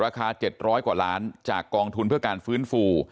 ๗๐๐กว่าล้านจากกองทุนเพื่อการฟื้นฟู